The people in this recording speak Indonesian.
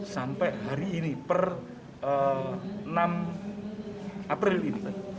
sampai hari ini per enam april ini